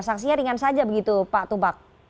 sanksinya ringan saja begitu pak tubak